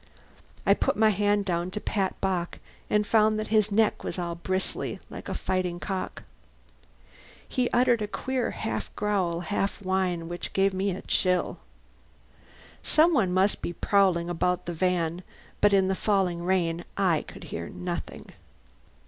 I put my hand down to pat Bock, and found that his neck was all bristly, like a fighting cock. He uttered a queer half growl, half whine, which gave me a chill. Some one must be prowling about the van, but in the falling rain I could hear nothing.